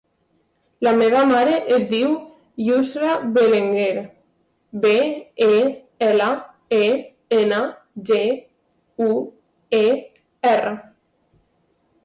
La meva mare es diu Yousra Belenguer: be, e, ela, e, ena, ge, u, e, erra.